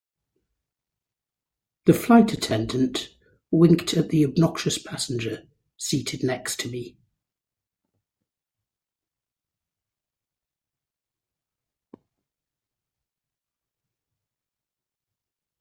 The flight attendant winked at the obnoxious passenger seated next to me.